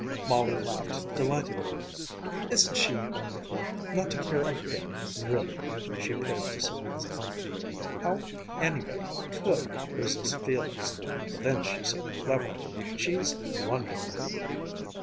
Molly laughed delightedly. "Isn't she wonderful not to care a bit really!" she appealed to Sylvia's aunt. "How anybody could resist Felix but then she's so clever. She's wonderful!"